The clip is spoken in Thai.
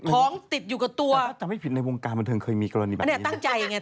ของติดอยู่กับตัวแต่ถ้าไม่ผิดในวงการบันเทิงเคยมีกรณีแบบนี้